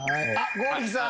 剛力さん。